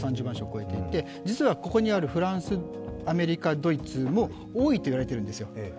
実はここにあるフランス、アメリカ、ドイツも多いと言われているんですよ。